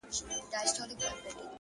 د همدې شپې هېرول يې رانه هېر کړل _